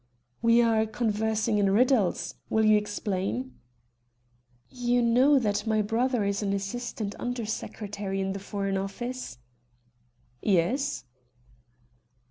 "We are conversing in riddles. Will you explain?" "You know that my brother is an assistant Under Secretary in the Foreign Office?" "Yes."